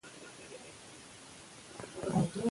وادي د افغانستان د امنیت په اړه هم اغېز لري.